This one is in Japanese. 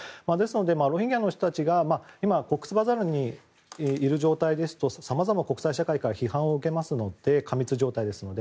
ロヒンギャの人たちが今、コックスバザールにいる状況ですとさまざまな国際社会から批判を受けますので過密状態ですので。